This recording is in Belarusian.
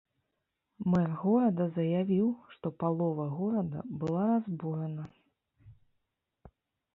Мэр горада заявіў, што палова горада была разбурана.